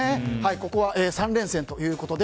ここは３連戦ということで